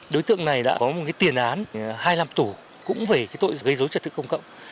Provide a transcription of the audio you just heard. đối tượng này đã có một cái tiền án hai mươi năm tù cũng về cái tội gây dối trật tức công cộng